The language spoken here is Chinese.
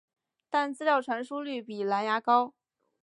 但资料传输率比蓝牙高。